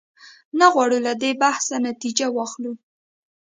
نه غواړو له دې بحثه نتیجه واخلو.